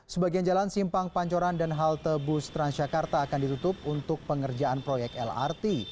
sebagian jalan simpang pancoran dan halte bus transjakarta akan ditutup untuk pengerjaan proyek lrt